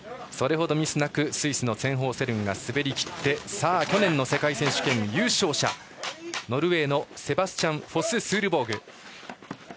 それほどミスなくスイスのツェンホウセルンが滑りきってさあ、去年の世界選手権優勝者ノルウェーのセバスチャン・フォススールボーグ。